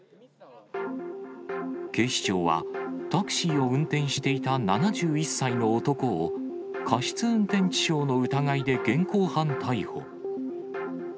警視庁はタクシーを運転していた７１歳の男を、過失運転致傷の疑いで現行犯逮捕。